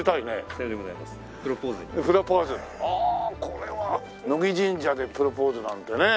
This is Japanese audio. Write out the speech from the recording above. これは乃木神社でプロポーズなんてね。